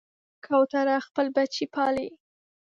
کوتره خپل بچي پالي.